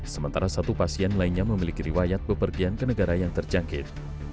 sementara satu pasien lainnya memiliki riwayat bepergian ke negara yang terjangkit